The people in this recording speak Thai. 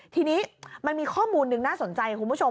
ทีนี้มันมีข้อมูลหนึ่งน่าสนใจคุณผู้ชม